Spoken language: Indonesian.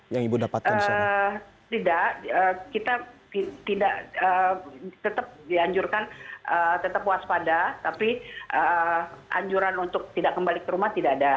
ya tidak kita tetap dianjurkan tetap waspada tapi anjuran untuk tidak kembali ke rumah tidak ada